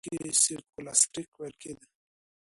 دیني مدرسو ته په هغه وخت کي سکولاستیک ویل کیده.